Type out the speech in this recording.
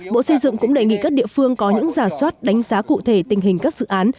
bộ xây dựng cũng đề nghị các địa phương có những giả soát đánh giá cụ thể tình hình các dự án